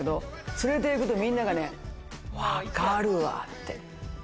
連れて行くと、みんなが分かるわって。